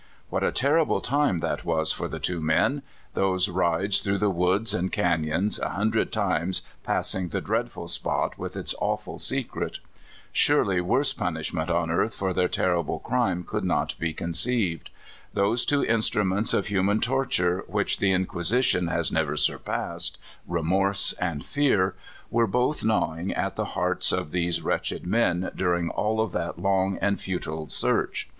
What a terrible time that was lor the two men — those rides through the woods and can3^ons, a hundred times passing the dreadful spot with its awful secret! Surely worse punishment on earth for their terrible crime could not be con ceived. Those two instruments of human torture which the Inquisition has never surpassed, remorse and fear, were both gnawing at the hearts of these wretched men during all of that long and futile search.